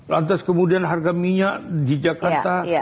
lantas kemudian harga minyak di jakarta